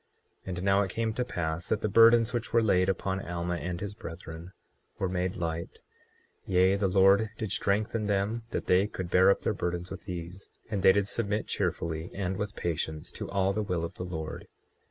24:15 And now it came to pass that the burdens which were laid upon Alma and his brethren were made light; yea, the Lord did strengthen them that they could bear up their burdens with ease, and they did submit cheerfully and with patience to all the will of the Lord.